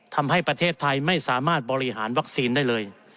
ทำให้ประเทศไทยไม่สามารถบริหารวัคซีนได้เลย